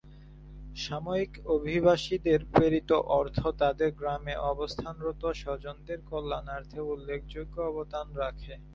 সাময়িক অভিবাসীদের প্রেরিত অর্থ তাদের গ্রামে অবস্থানরত স্বজনদের কল্যাণার্থে উল্লেখযোগ্য অবদান রাখে।